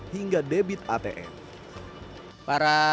hingga debit atm